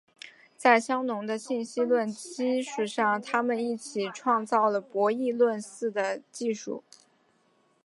在香农的信息论基础上他们一起创造了博弈论似的技术。